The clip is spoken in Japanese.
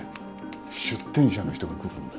出店者の人が来るんだよ。